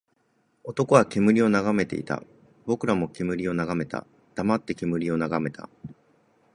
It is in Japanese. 男は煙を眺めていた。僕らも煙を眺めた。黙って煙を眺めた。